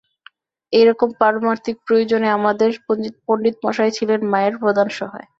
এইরকম পারমার্থিক প্রয়োজনে আমাদের পণ্ডিতমশায় ছিলেন মায়ের প্রধান সহায়।